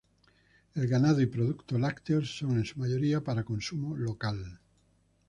El ganado y productos lácteos son en su mayoría para consumo local.